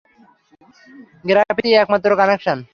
গ্রাফিতিই একমাত্র কানেকশন।